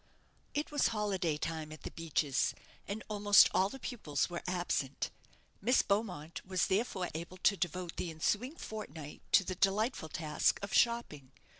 It was holiday time at "The Beeches," and almost all the pupils were absent. Miss Beaumont was, therefore, able to devote the ensuing fortnight to the delightful task of shopping.